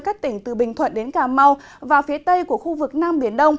các tỉnh từ bình thuận đến cà mau và phía tây của khu vực nam biển đông